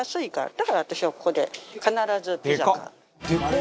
だから私はここで必ずピザ買う。